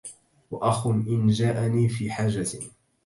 وأخ إن جاءني في حاجة